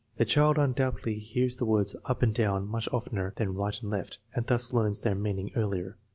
The child undoubtedly hears the words up and down much of tener than right and left, and thus learns their meaning earlier.